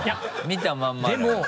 見たまんまで。